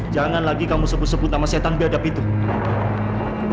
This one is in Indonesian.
sampai jumpa di video selanjutnya